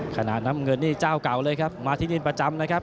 น้ำเงินนี่เจ้าเก่าเลยครับมาที่นี่ประจำนะครับ